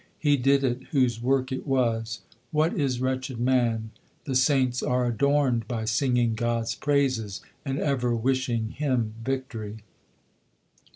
He did it whose work it was ; what is wretched man ? The saints are adorned by singing God s praises, and ever wishing Him victory.